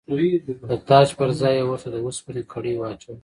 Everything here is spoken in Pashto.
د تاج پر ځای یې ورته د اوسپنې کړۍ واچوله.